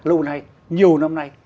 lâu nay nhiều năm nay